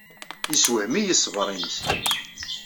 Yessewhem-iyi ṣṣber-nnes.